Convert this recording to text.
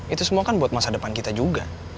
itu semua kan buat masa depan kita juga